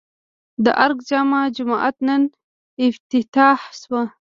د ارګ جامع جومات نن افتتاح شو